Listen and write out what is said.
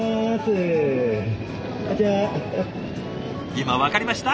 今分かりました？